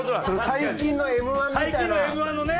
最近のＭ−１のね。